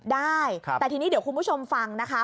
ได้แต่ทีนี้เดี๋ยวคุณผู้ชมฟังนะคะ